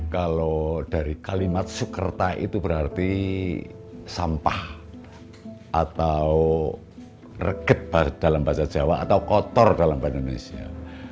kalau dari kalimat sukerta itu berarti sampah atau reket dalam bahasa jawa atau kotor dalam bahasa indonesia